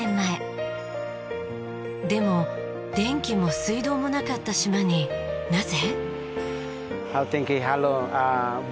でも電気も水道もなかった島になぜ？